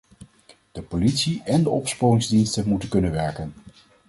De politie en de opsporingsdiensten moeten kunnen werken.